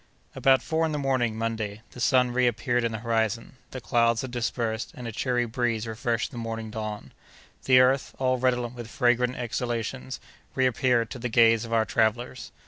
About four in the morning, Monday, the sun reappeared in the horizon; the clouds had dispersed, and a cheery breeze refreshed the morning dawn. The earth, all redolent with fragrant exhalations, reappeared to the gaze of our travellers.